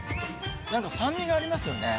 何か酸味がありますよね。